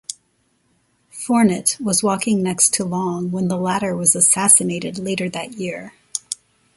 Fournet was walking next to Long when the latter was assassinated later that year.